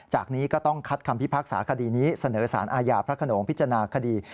นี้ก็ต้องคัดคำพิพากษาคดีนี้เสนอสารอาญาพระขนงพิจารณาคดี